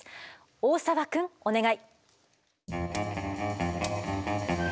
大澤くんお願い。